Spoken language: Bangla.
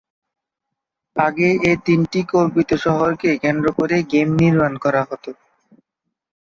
আগে এই তিনটি কল্পিত শহরকে কেন্দ্র করেই গেম নির্মাণ করা হত।